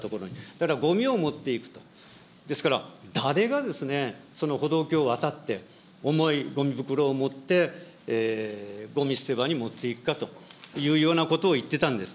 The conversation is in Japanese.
だからごみを持っていくと、ですから、誰がその歩道橋を渡って重いごみ袋を持って、ごみ捨て場に持っていくかというようなことを言ってたんです。